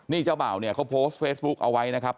นี่เจ้าบ่าวเนี่ยเขาโพสต์เฟซบุ๊กเอาไว้นะครับ